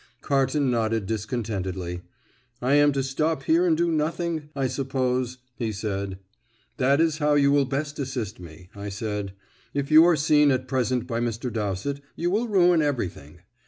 Carton nodded discontentedly. "I am to stop here and do nothing, I suppose," he said. "That is how you will best assist me," I said. "If you are seen at present by Mr. Dowsett, you will ruin everything.